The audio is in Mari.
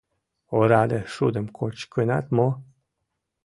— Ораде шудым кочкынат мо?